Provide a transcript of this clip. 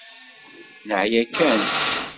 Neɛya kan.